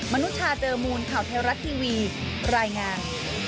นุชาเจอมูลข่าวเทวรัฐทีวีรายงาน